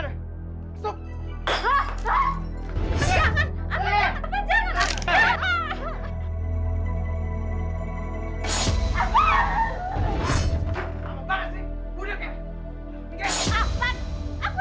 lewatkan kalian bapa